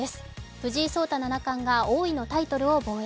藤井聡太七冠が王位のタイトルを防衛。